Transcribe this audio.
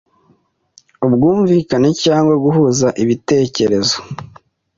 ubwumvikane cyangwa guhuza ibitekerezo